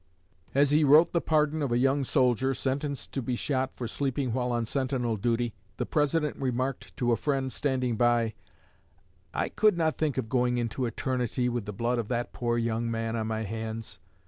As he wrote the pardon of a young soldier, sentenced to be shot for sleeping while on sentinel duty, the President remarked to a friend standing by: "I could not think of going into eternity with the blood of that poor young man on my hands.